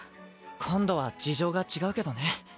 今度は事情が違うけどね。